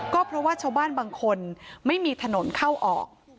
ก็เพราะว่าชาวบ้านบางคนไม่มีถนนเข้าออก